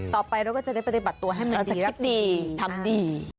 ต่อไปเราก็จะได้ปฏิบัติตัวให้มันเราจะคิดดีทำดี